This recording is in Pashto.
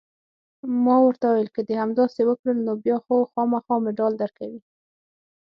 ما ورته وویل: که دې همداسې وکړل، نو بیا خو خامخا مډال درکوي.